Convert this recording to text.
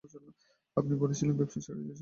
আপনি বলেছিলেন ব্যবসা ছেড়ে দিয়েছেন।